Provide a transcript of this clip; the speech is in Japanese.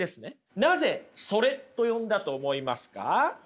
なぜ「それ」と呼んだと思いますか？